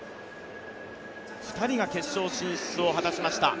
２人が決勝進出を果たしました。